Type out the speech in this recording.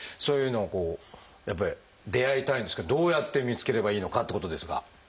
そういうのをこうやっぱり出会いたいんですけどどうやって見つければいいのかってことですが。